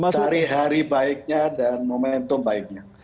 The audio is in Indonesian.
cari hari baiknya dan momentum baiknya